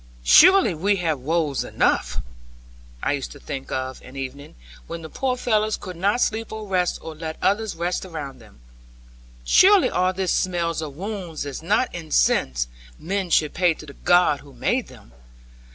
'Surely we have woes enough,' I used to think of an evening, when the poor fellows could not sleep or rest, or let others rest around them; 'surely all this smell of wounds is not incense men should pay to the God who made them.